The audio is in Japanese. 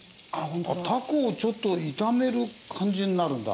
タコをちょっと炒める感じになるんだ。